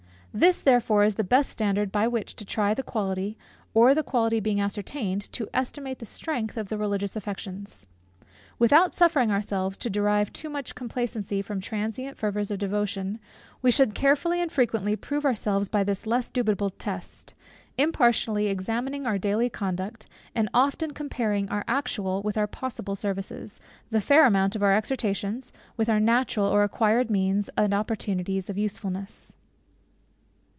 This therefore is the best standard by which to try the quality, or, the quality being ascertained, to estimate the strength of the religious affections. Without suffering ourselves to derive too much complacency from transient fervors of devotion, we should carefully and frequently prove ourselves by this less dubitable test; impartially examining our daily conduct; and often comparing our actual, with our possible services, the fair amount of our exertions, with our natural or acquired means and opportunities of usefulness.